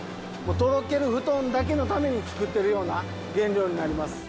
とろけるふとんだけのために作ってるような原料になります。